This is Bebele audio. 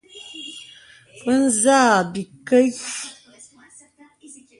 Bə zə àkì bìkəs.